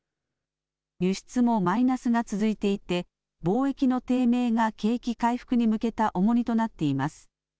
輸出もマイナスが続いていて貿易の低迷が景気回復に向けた重荷となっています。